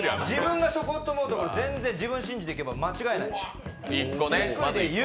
自分がそこって思うところ自分で信じてやれば間違いない。